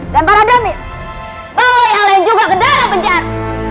dan para demi bawa yang lain juga ke dalam penjara